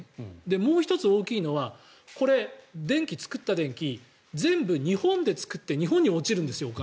もう１つ大きいのはこれ、作った電気全部日本で作って日本にお金が落ちるんですよ。